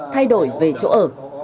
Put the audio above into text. thay đổi về chỗ ở